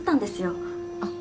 あっ。